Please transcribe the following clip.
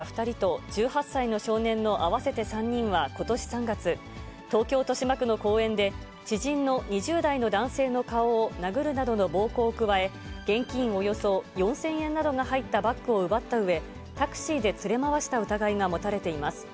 警視庁によりますと、梅村太章容疑者ら２人と１８歳の少年の合わせて３人はことし３月、東京・豊島区の公園で、知人の２０代の男性の顔を殴るなどの暴行を加え、現金およそ４０００円などが入ったバッグを奪ったうえ、タクシーで連れ回した疑いが持たれています。